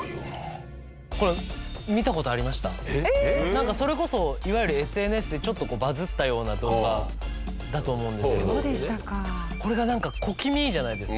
なんかそれこそいわゆるＳＮＳでちょっとバズったような動画だと思うんですけどこれがなんか小気味いいじゃないですか。